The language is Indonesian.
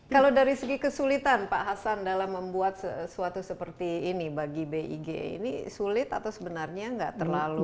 kalau dari segi kesulitan pak hasan dalam membuat sesuatu seperti ini bagi big ini sulit atau sebenarnya nggak terlalu